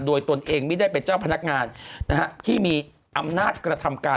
โดยตนเองไม่ได้เป็นเจ้าพนักงานที่มีอำนาจกระทำการ